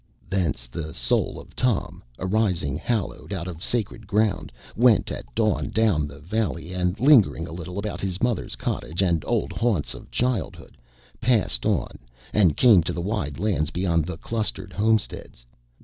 Thence the soul of Tom, arising hallowed out of sacred ground, went at dawn down the valley, and, lingering a little about his mother's cottage and old haunts of childhood, passed on and came to the wide lands beyond the clustered homesteads.